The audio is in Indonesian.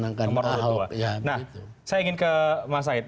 nah saya ingin ke mas said